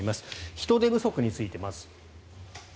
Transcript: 人手不足について、まず。